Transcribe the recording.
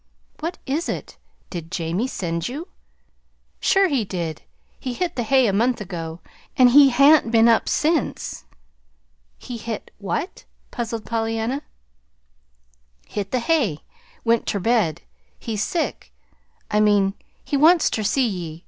"What is it? Did Jamie send you?" "Sure he did. He hit the hay a month ago, and he hain't been up since." "He hit what?" puzzled Pollyanna. "Hit the hay went ter bed. He's sick, I mean, and he wants ter see ye.